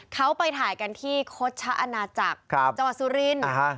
เขาไปถ่ายกันที่โคชะอาณาจักรจังหวัดสุรินทร์